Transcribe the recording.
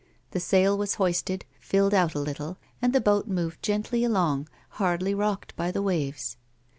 The sail was hoisted, filled out a little, and the boat moved gently along hardly rocked by the waves.